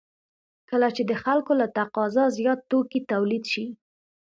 کله چې د خلکو له تقاضا زیات توکي تولید شي